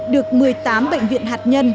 được một mươi tám bệnh viện hạt nhân